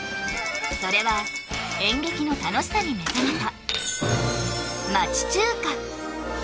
それは演劇の楽しさに目覚めた